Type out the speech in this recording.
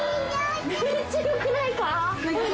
めっちゃ良くないか。